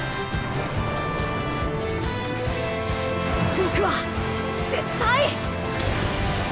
僕は絶対！